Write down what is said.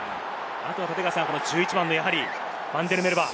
あとは１１番のファンデルメルヴァ。